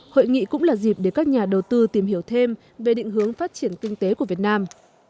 hội nghị cũng là dịp để các nhà đầu tư tìm hiểu thêm về định hướng phát triển kinh tế của việt nam